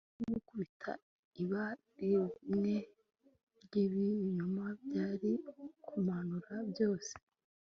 Aho gukubita ibaba rimwe ryibinyoma byari kumanura byose